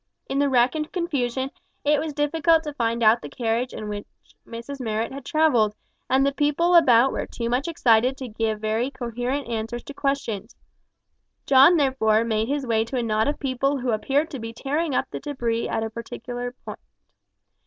In the wreck and confusion, it was difficult to find out the carriage, in which Mrs Marrot had travelled, and the people about were too much excited to give very coherent answers to questions. John, therefore, made his way to a knot of people who appeared to be tearing up the debris at a particular spot.